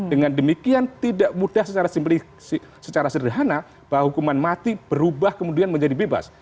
dengan demikian tidak mudah secara sederhana bahwa hukuman mati berubah kemudian menjadi bebas